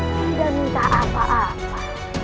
tidak minta apa apa